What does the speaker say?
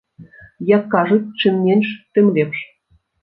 Як кажуць, чым менш, тым лепш!